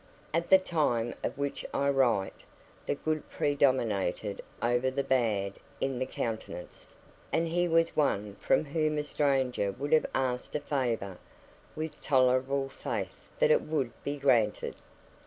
At the time of which I write, the good predominated over the bad in the countenance, and he was one from whom a stranger would have asked a favour with tolerable faith that it would be granted.